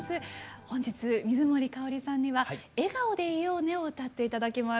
本日水森かおりさんには「笑顔でいようね」を歌って頂きます。